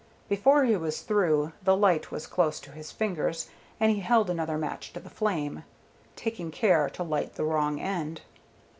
Before he was through the light was close to his fingers, and he held another match to the flame, taking care to light the wrong end.